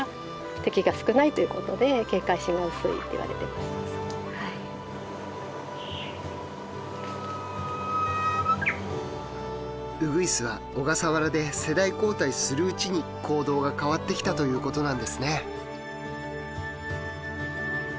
もともと猫がいないとかほかの哺乳類ウグイスは小笠原で世代交代するうちに行動が変わってきたということなんですね。